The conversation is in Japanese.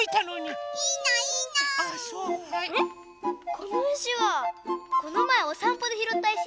このいしはこのまえおさんぽでひろったいし？